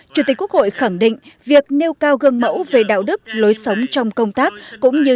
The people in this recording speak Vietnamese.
chủ tịch quốc hội khẳng định việc nêu cao gương mẫu về đạo đức lối sống trong công tác cũng như